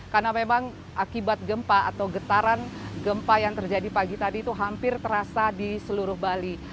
karena memang akibat gempa atau getaran gempa yang terjadi pagi tadi itu hampir terasa di seluruh bali